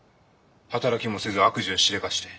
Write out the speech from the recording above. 働きもせず悪事をしでかして。